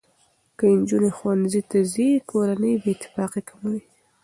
که نجونې ښوونځي ته ځي، کورنۍ بې اتفاقي کمه وي.